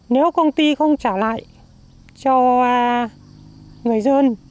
nếu công ty không trả lại cho người dân